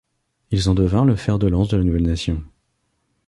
Ils en devinrent le fer de lance de la nouvelle nation.